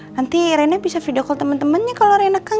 nanti rena bisa video call temen temennya kalo rena kangen